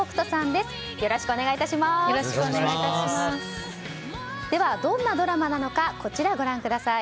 では、どんなドラマなのかこちら、ご覧ください。